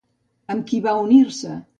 Amb qui va unir-se?